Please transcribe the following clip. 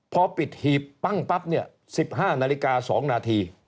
พอปิดหีบปั้งปั๊บเนี่ย๑๕นาฬิกา๒นาที